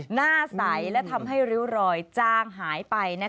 หน้าใสและทำให้ริ้วรอยจางหายไป